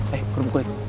eh kurung kulit